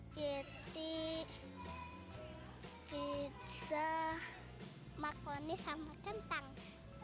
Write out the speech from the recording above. jadi pizza maklumnya sama kentang